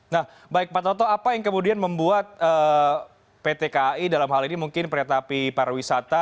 nah baik pak toto apa yang kemudian membuat pt kai dalam hal ini mungkin kereta api pariwisata